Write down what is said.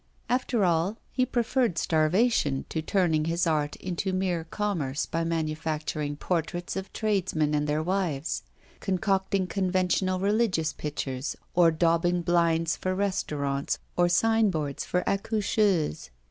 After all, he preferred starvation to turning his art into mere commerce by manufacturing portraits of tradesmen and their wives; concocting conventional religious pictures or daubing blinds for restaurants or sign boards for accoucheuses.